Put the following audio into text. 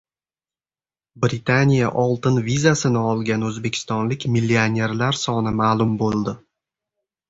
Britaniya “oltin vizasi”ni olgan o‘zbekistonlik millionerlar soni ma'lum bo‘ldi